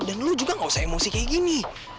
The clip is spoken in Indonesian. dan lu juga gak usah emosi kayak gini